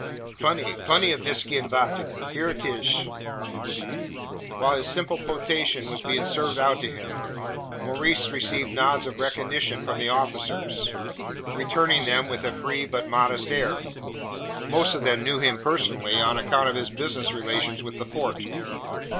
"Plenty plenty of visky und vachter. Here it ish." While his simple potation was being served out to him, Maurice received nods of recognition from the officers, returning them with a free, but modest air. Most of them knew him personally, on account of his business relations with the Fort.